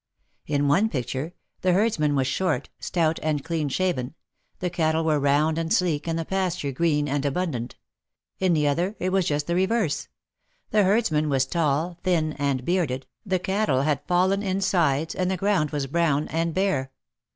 In one picture the herds man was short, stout and clean shaven, the cattle were round and sleek and the pasture green and abundant. In the other it was just the reverse. The herdsman was tall, thin and bearded, the cattle had fallen in sides, and the ground was brown and bare.